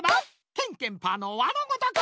「ケンケンパー」の輪のごとく！